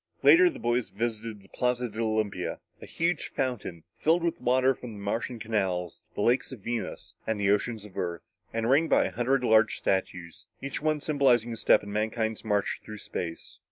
Later, the boys visited the Plaza de Olympia a huge fountain, filled with water taken from the Martian Canals, the lakes of Venus and the oceans of Earth, and ringed by a hundred large statues, each one symbolizing a step in mankind's march through space.